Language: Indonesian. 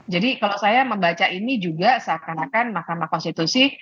jadi kalau saya membaca ini juga seakan akan mahkamah konstitusi